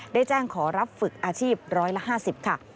ได้แจ้งขอรับฝึกอาชีพร้อยละ๕๐ค่ะ